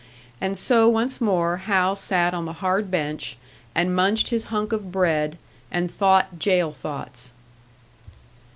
And so once more Hal sat on the hard bench, and munched his hunk of bread, and thought jail thoughts.